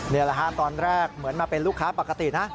นี่แหละฮะตอนแรกเหมือนมาเป็นลูกค้าปกตินะ